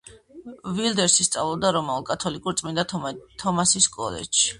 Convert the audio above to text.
ვილდერსი სწავლობდა რომაულ–კათოლიკურ წმინდა თომასის კოლეჯში.